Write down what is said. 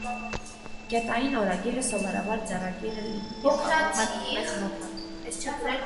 Կետային օրագիրը սովորաբար ձեռագիր է լինում և պահվում է մեկ նոթատետրում։